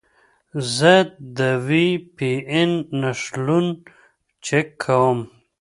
زه د وي پي این نښلون چک کوم.